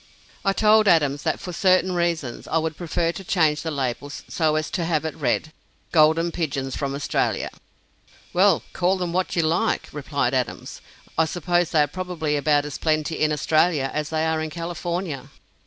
I told Adams that, for certain reasons, I would prefer to change the label so as to have it read: "Golden Pigeons from Australia." "Well, call them what you like," replied Adams; "I suppose they are probably about as plenty in Australia as they are in California."